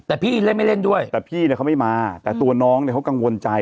แต่พี่เล่นไม่เล่นด้วยแต่พี่เนี่ยเขาไม่มาแต่ตัวน้องเนี่ยเขากังวลใจ